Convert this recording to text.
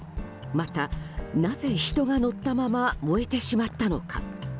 また、なぜ人が乗ったまま燃えてしまったのか。